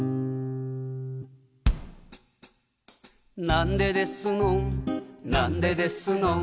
「なんでですのんなんでですのん」